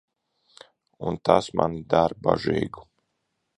Un tas mani dara bažīgu.